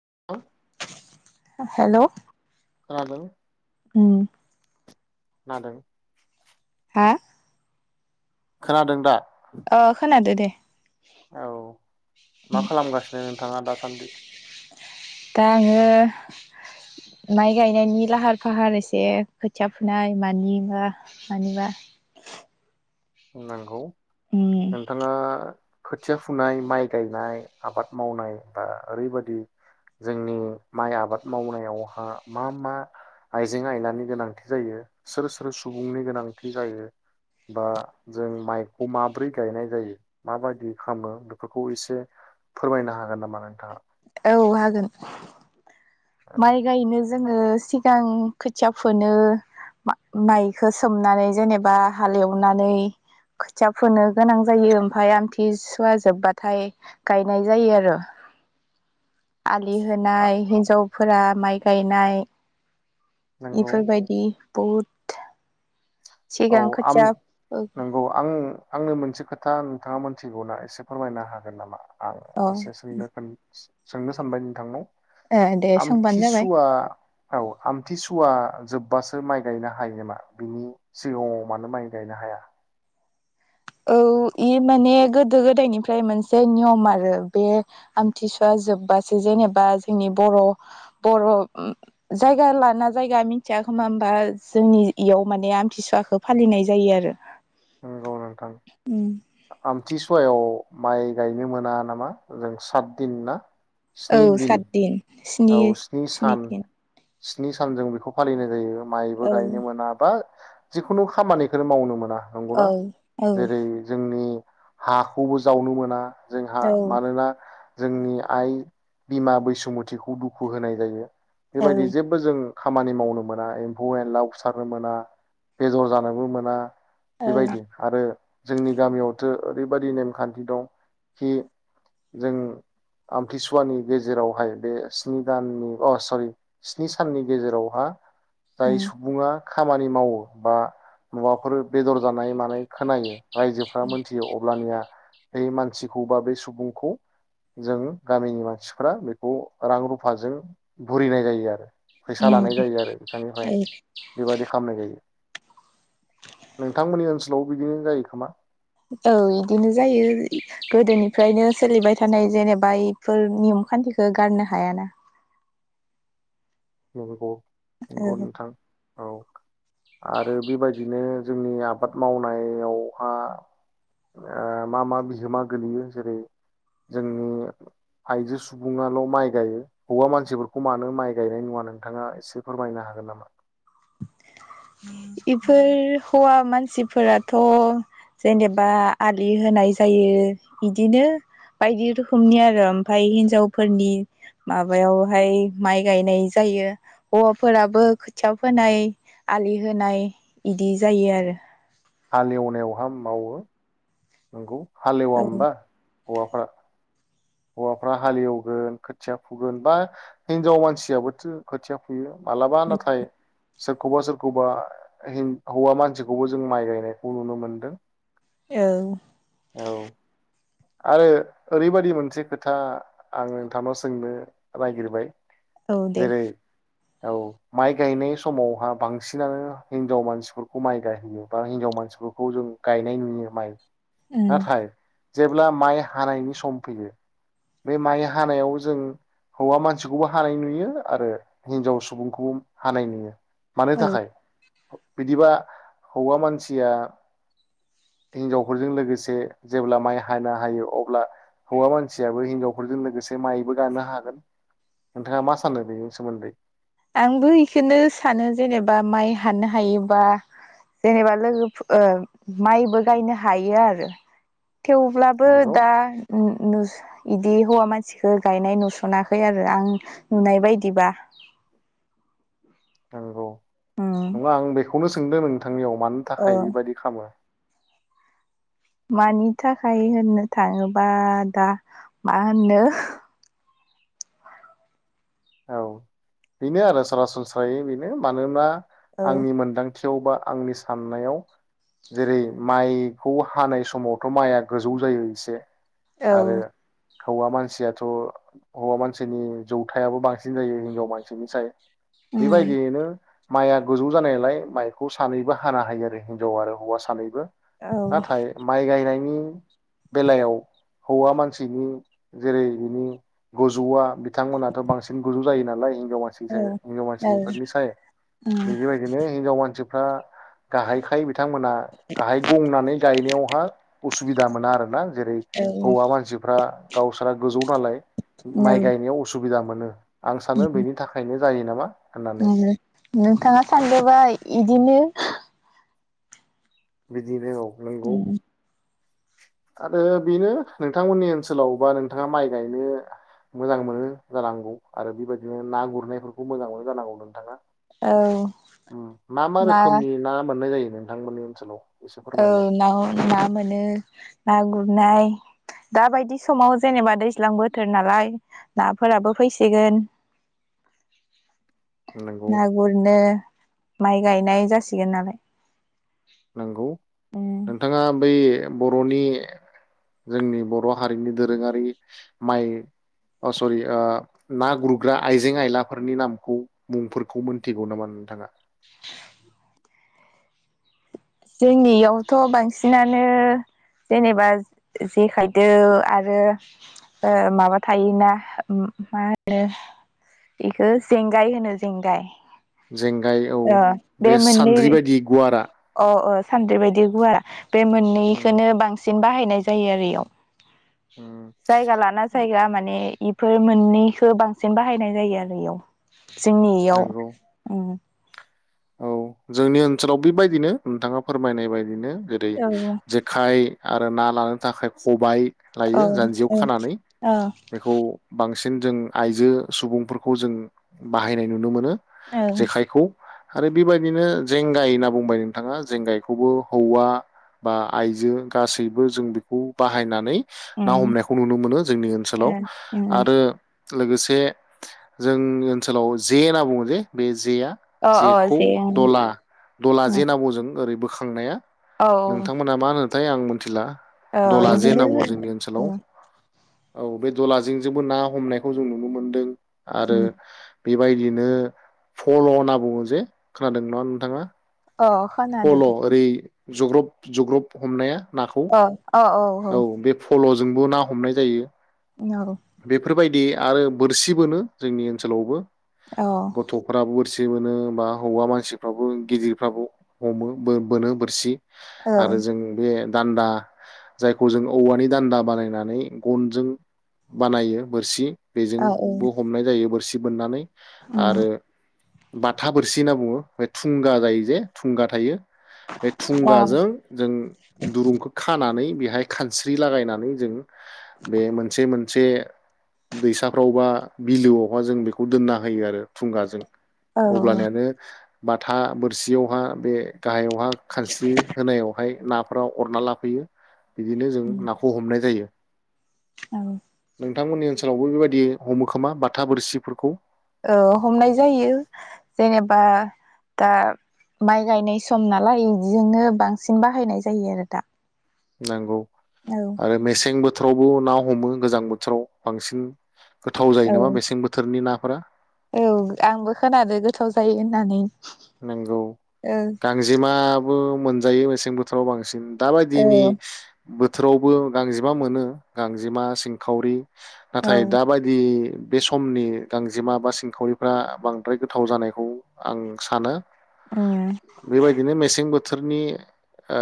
[inaudible] Hello खोनादों उम नादो। हा खोनादों दा? अ खोनादो दे औ मा खालामगासिनो नोंथाङा दासान्दि? दा आङो माइ गायनायनि लाहार फाहार एसे खोथिया फुनाय मानिबा मानिबा नोंगौ उम नोंथाङा खोथिया फुनाय माइ गायनाय आबाद मावनाय बा ओरैबादि जोंनि माइ आबाद मावनायावहा मा मा आइजें आयनानि गोनांथि जायो सोर सोर सुबुंनि गोनांथि जायो बा जों माइखौ माब्रै गायनाय जायो माबायदि खामो बेफोरखौ एसे फोरमायनो हागोन नामा नोंथाङा? औ हागोन। माइ गायनो जो‌ जोङो सिगां खोथिया फोनो माइखो सोमनानै जेनेबा हालेवनानै खोथिया फोनो गोनां जायो ओमफाय आमथि सुवा जोब्बाथाय गायनाय जायो आरो आल दि औ होनाय हिनजाव फोरा माइ गायनाय नंगौ इफोरबायदि बुद औ आम नोंगौ आं आंनो मोन से खोथा नोंथाङा मोनथिगौना एसे फोरमायनो हागोन नामा? आं अ एसे सोंनो सोंनो सानबाय नोंथांनाव ए दे सोंबानो जाबाय आमथिसुवा औ आमथिसुवा जोब्बासो माइ गायनो हायो नामा बिनि सिगाङाव मानो माइ गायनो हाया? औ इ माने गोदो गोदायनिफ्राय मोनसे नियम आरो बे आमथिसुवा जोब्बासो जेनेबा जोंनि बर' बर' जायगा लाना जायगा मिथिया खोमा होमबा जोंनि इयाव माने आमथिसुवाखौ फालिनाय जायो आरो। नोंगौ नों थां उम आमथिसुवायाव माइ गायनो मोना नामा जों साथदिन ना? औ साथ दिन स्नि औ स्नि सान दिन स्नि सानजों बेखौ फालिनाय जायो माइबो औ गायनो मोना बा जिखुनु खामानिखोनो मावनो मोना नंगौना औ औ जेरै जोंनि हाखौबो जावनो मोना जोंहा औ मानोना जोंनि आइ बिमा बैसोमुथिखौ खौ दुखु होनाय जायो औ बेबायदि जेबबो जों खामानि मावनो मोना एम्फौ एनला उसारनो मोना बेदर जानोबो मोना औ बेबायदि आरो जोंनि गामियावथो ओरैबायाददि नेमखान्थि दं खि जों आमथिसुवानि गेजेरावहाय बे स्नि दाननि अ सरि स्नि साननि गेजेरावहा जाय उम सुबुङा खामानि मावो बा माबाफोर बेदर जानाय मानाय खोनायो रायजोफ्रा मोनथियो अब्लानिया - - बे मानसिखौ बा बे सुबुंखौ जों गामिनि मानसिफ्रा बेखौ रां रुफाजों बुरिनाय जायो आरो। फैसा उम लानाय जायो आरो बिथांनिफ्राय बेबादि खालामनाय जायो। नोंथांमोननि ओनसोलाव बिदिनो जायो खोमा? औ इदिनो जायो गोदोनिफ्रायनो सोलिबाय थानाय जेनेबा इफोर नियम खान्थिखौ गारनो हायाना। [unintelligible] नंगौ औ नोंथां। औ आरो बेबायदिनो जोंनि आबाद मावनायावहा आ मा मा बिहोमा गोलैयो जेरै जोंनि आइजो सुबुंङाल' माइ गायो हौवा मानसिफोरखौ मानो माइ गायनाय नुवा? नोंथाङा एसे फोरमायनो हागोन नामा? इफोर हौवा मानसिफोराथ' जेनेबा आलि होनाय जायो। इदिनो बायदि रोखोमनि आरो ओमफाय हिनजावफोरनि माबायावहाय माइ गायनाय जायो हौवाफोराबो खोथिया फोनाय आलि होनाय इदि जायो आरो हालेवनायावहा मावो। नोंंगौ। हालेवा होमबा? हौवाफोरा हौवाफ्रा हालेवगोन खोथिया फुगोन बा हिनजाव मानसियाबोथो खोथिया फुयो। मालाबा नाथाय सोरखौबा सोरखौबा हिन हौवा मानसिखौबो जों माइ गायनायखौ नुनो मोन्दों। औ औ औ। आरो ओरैबायदि मोनसे खोथा आं नोंथांनाव सोंनो नागिरबाय औ दे। जेरै औ माइ गायनाय समावहा बांसिनानो हिनजाव मानसिफोरखौ माइ गायहोयो बा हिनजाव मानसिफोरखौ जों गायनाय नुयो माइ। उम नाथाइ जेब्ला माइ हानायनि सम फैयो बे माइ हानायाव जों हौवा मानसिखौबो हानाय नुयो आरो हिनजाव सुबुंखौबो हानाय नुयो। मानि औ थाखाय। बिदिबा हौवा मानसिया हिनजावफोरजों लोगोसे जेब्ला माइ बाहायनो हायो अब्ला हौवा मानसियाबो हिनजावफोरजों लोगोसे माइबो गानो हागोन नोंथाङा मा सानो बेनि सोमोन्दै? आंबो बेखौनो सानो जेनेबा माइ हानो हायोबा जेनेबा लोगोफोर माइबो गायनो हायो आरो। थेवब्लाबो नंगौ दा नु नु बिदि हौवा मानसिखौ गायनाय नुसनाखै आरो आं नुनाय बायदिबा। नंगौ। उम नङा आं बेखौनो सोंदों नोंथां। थांनियाव मानो ओ थाखाय बेबायदि खालामो? मानि थाखाय होननो थाङोबा दा मा होननो। औ बेनो आरो सरासनस्रायै बेनो मानोना औ आंनि मोन्दां थियाव बा आंनि साननायाव जेरै माइखौ हानाय समावथ माइआ गोजौ जायो इसे। औ। हौवा मानसियाथ हौवा मानसिनि जौथायाबो बांस बांसिन जायो हिनजाव मानसिनिसाय। ‌ उम बेबायदियैनो। माइया गोजौ जानायलाय माइखौ सानैबो हाना हायो आरो हिनजाव आरो हौवा सानैबो। औ नाथाय माइ गायनायनि। नि बेलायाव हौवा मानसिनि जेरै बिनि गजौवा बिथांमोनाथ बांसिन। गोजौ जायो नालाय। हिन्जाव औ मानसिनिसाय हिनजाव औ मानसिफोरनिसाय उम बिदि माइखौनो हिनजाव मानसि दा। गाहायखाय बिथांमोना गाहाय गंनानै गायनायावहा उसुबिदा मोना आरोना जेरै औ हौवा मानसिफ्रा। गावसोरा गोजौ नालाय। नौ माइ गायनायाव उसुब सुबिदा मोनो। आं सानो बेनि थाखायनो। जायो नामा। होननानै नोंथाङा सानदोबा इदिनो। बिदिनो औ नोंगौ उम आरो बेनो नोंथांमोननि ओनसोलावबा नोंथाङा माइ गायनो मोजां मोनो जानांगौ आरो बेबायदिनो ना गुरनायफोरखौ मोजां मोनो जानांगौ नोंथाङा औ उम मा मा ना रोखोमनि ना मोननाय जायो नोंथांमोननि सोलाव औ ना अ ना मोनो ना गुरनाय दा बायदि समाव जेनेबा दैज्लां बोथोर नालाय नाफोराबो फैसिगोन नंगौ ना गुरनो माइ गायनाय जासिगोन नालाय नोंगौ उम नोंथाङा बै बर'नि जोंनि बर' हारिनि दोरोङारि माइ अ सरि ओ ना गुरग्रा आइजें आयलाफोरनि नामखौ मुंफोरखौ मोनथिगौ नामा नोंथाङा? जोंनि इयावथ' बांसिनानो जेनेबा जेखाइदो आरो माबा थायोना मा होनो बेखो जेंगाय होनो जेंगाय जेंगाय औ ओ बे मोननै सान्द्रि बायदि गुवारा अ अ सानद्रि बायदि गुवारा बे उम मोननैखोनो बांसि सिन बाहायनाय जायो आरो इयाव। उम जायगा लाना जायगा माने इफोर मोननैखो बांसिन बाहायनाय जायो आरो इयाव। जोंनि इयाव नंगौ उम औ जोंनि ओनसोलाव बेबायदिनो नोंथाङा फोरमायनाय बायदिनो। जेरै औ जेखाइ आरो ना लानो थाखाय खबाय औ लायो जान्जियाव औ खानानै औ बेखौ बांसि सिन जों आइजो सुबुंफोरखौ जों बाहायनाय नुनो मोनो। औ जेखायखौ आरो बेबायदिनो जेंगाय होनना बुंबाय नोंथाङा जेंगायखौबो हौवा बा आइजो गासैबो जों बेखौ बाहायनानै ना उम हमनायखौ नुनो मोनो जोंनि ओनसोलाव उम आरो लोगोसे जोंनि ओनसोलाव जे होनना बुङो जे बे जेआ अ अ जेखौ जे उम दला दला जे होनना बुङो जों ओरै बो खांनाया औ नोंथांमोना मा होनो थाय आं मिथिला औ इदिनो औ बे दलाजों जोंबो ना हमनायखौ जों नुनो मोनदों। आरो बेबायदिनो फल होनना बुङो जे खोनादों नङा नोंथाङा अ खोनादो फल' दे ओरै जग्रब जग्रब हमनाया अ अ औ औ ल' जोंबो ना हमनाय जायो। औ फोरबायदि आरो बोरसिबोनो जोंनि ओनसोलावबो। औ ओ गथ फ्राबो बोरसि सि बोनो बा हौवा मानसिफ्राबो गिदिरफ्राबो हमो बो-बोनो बोरसि आरो औ जों बे दान्दा जायखौ जों औवानि दान्दा बानायनानै गनजों बानायो बोरसि औ बेजोंबो हमनाय जायो बोरसि मोननानै उम आरो बाथा बोरसि होनना बुङो बे थुंगा जायो जे थुंगा थायो बे अ औ औ थुंगाजों जों दुरुंखौ खानानै बेहाय खानस्रि लागायनानै जों बे मोनसे मोनसे दैसाफ्रावबा बिलोआवहा जों बेखौ दोनना होयो आरो फुंगाजों अब्लानियानो बाथा बोरसियावहा बे गाहायावहा खानस्रि होनायावहाय नाफोरा अरना लाफैयो बिदिनो जों नाखौ हमनाय जायो। औ नोंथांमोननि ओनसोलावबो बेबायदि हमोखोमा बाथा बोरसिफोरखौ। औ हमनाय जायो जेनेबा दा माइ गायनाय सम नालाय इदिजोंनो बांसिन बाहायनाय जायो आरो दा नोंगौ आरो मेसेंबो थोरावबो ना हमो गोजां बोथोराव बांसिन गोथाव औ जायो नामा बेसें बोथोरनि ना फ्रा औ आंबो खोनादो गोथाव जायो होननानै। नंगौ गांजेमाबो मोनजायो मेसें बोथोराव बांसिन औ दाबायदिनि बोथोरावबो गांजेमा मोनो गांजेमा सिंखावरि नाथाय औ दाबायदि बे समनि गांजेमा बा सिंखावरिफ्रा बांद्राय गोथाव जानायखौ आं सानो औ बेबायदिनो मेसें बो थोरनि ओ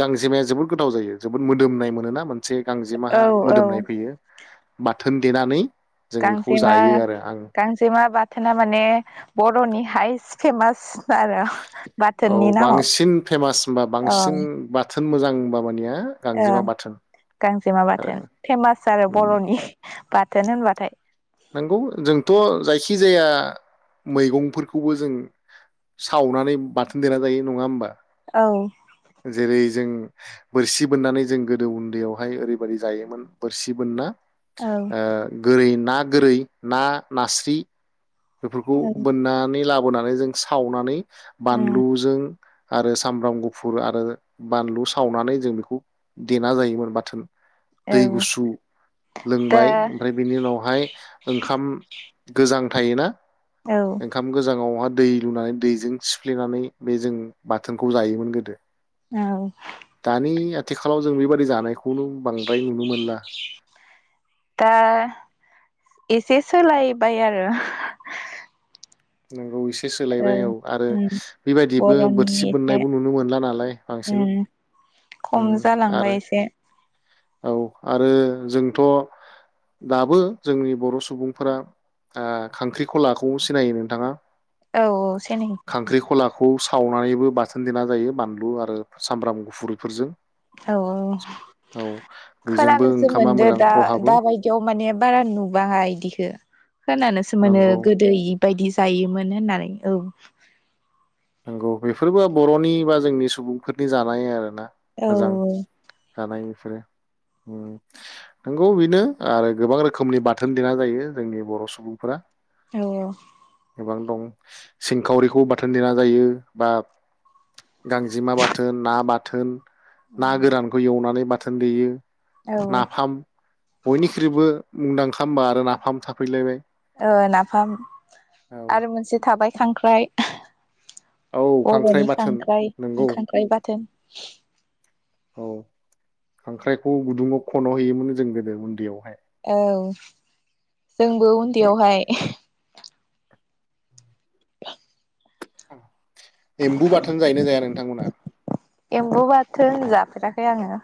गांजेमाया जोबोद गोथाव जायो जोबोद मोदोमनाय मोनोना मोनसे गांजेमाहा औ मोदोमनाय फैयो। बा थोन देनानै जों बेखौ गांजेमा जायो आरो आं गांजेमा बाथोना माने बर'नि हाइस फेमास आरो औ बाथोननि नामाव बांसिन फेमास होनबा बांसिन बा थोन मोजां बा मानिया ओ गांजेमा बाथोन गांजेमा आरो बाथोन। फेमास आरो उम बरनि। बाथोन होनबाथाय नंगौ जोंथ जायखि जाया मैगंफोरखौबो जों सावनानै बाथोन दोना जायो नङा होमबा औ जेरै जों बोरसि बोननानै जों गोदो उन्दैयावहाय ओरैबायादि जायोमोन बोरसि बोनना औ ओ गोरै ना गोरै ना नास्रि बेफोरखौ बोननानै ला बोनानै जों सावनानै उम बानलुजों आरो सामब्राम गुफुर आरो बानलु सावनानै जों बेखौ देना जायोमोन बाथोन। दै औ गुसु दा लोंबाय ओमफ्राय बेनि उनावहाय ओंखाम गोजां थायोना औ ओंखाम गोजाङावहा दै लुनानै दैजों सिफ्लेनानै बे जों बाथोनखौ जायोमोन गोदो। औ दानिया आथिखालाव जों बेबायदि जानायखौ खौनो बांद्राय नुनो मोनला। दा एसे सोलायबाय आरो नोंगौ इस एसे ओ सोलायबाय औ आरो उम बेबायदिबो बर'नि बोरसि एसे बोननायबो नुनो मोनला नालाय बांसिन उम खम आरो जालांबाय एसे औ आरो जोंथ दाबो जोंनि बर सुबुंफोरा ओ खांख्रिखलाखौ सिनायोमोन [unintelligible] औ सेनि खौ सावनानैबो बाथोन देना जायो बानलु आरो सामब्राम गुफुरफोरजों औ औ औ बेजोंबो खोनानोसो ओंखामा मोनदो मोजां दा खहाबो दाबायदियाव माने बारा नुबाङा इदिखो खोनानोसो मोनो नंगौ गोदै बायदि जायोमोन होननानै औ नंगौ बेफोरबो बरनि बा जोंनि सुबुंफोरनि जानाय आरो ना औ मोजां जानाय बेफोरो उम नोंगौ बि नो आरो गोबां रोखोमनि बाथोन देना जायो जोंनि बर' सुबुंफोरा औ औ। गोबां दं सिंखावरिखौ बाथोन देना जायो बा गांजेमा बाथोन ना बाथोन ना औ गोरानखौ एवनानै बाथोन देयो। औ नाफाम बयनिख्रुइबो मुंदां खामबा आरो नाफाम थाफैलायबाय ओ नाफाम औ आरो मोनसे थाबाय खांख्राइ। औ खांख्राइ बर'नि बाथोन खांख्राइ नंगौ खांख्राइ बाथोन। औ खांख्राइखौ गुदुङाव खन'हैयोमोन जों गोदो उन्दैयाव। औ जोंबो उन्दैयावहाय एम्बु बाथोन जायो ना जाया नोंथांमोना? एम्बु बाथोन जाफेराखै आङो।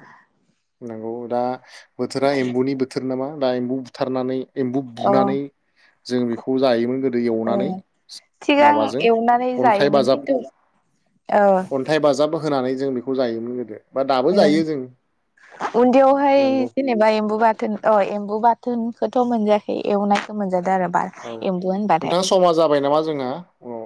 नंगौ दा बोथोरा एम्बुनि बोथोर नामा? दा एम्बु बुथारनानै एम्बु अ बुनानै जों बेखौ जायोमोन गोदो ओ एवनानै सिगां माबाजों एवनानै अन्थाइ जायोमोन बाजाब खिन्थु ओ अन्थाइ बाजाब होनानै जों बेखौ जायोमोन गोदो। बा दाबो ओ जायो जों। उन्दैयावहाय नंगौ जेनबा एम्बु बाथोन अ एम्बु बाथोनखोथ' मोनजायाखै एवनायखौ मोनजादो आरो। बा औ एम्बु होनबाथाय नोंथां समा जाबाय नामा जोंहा औ।